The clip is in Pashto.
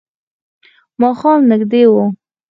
ماښام نژدې و.